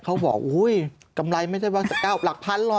เขาบอกอุ้ยกำไรไม่ใช่ว่าจะ๙หลักพันหรอก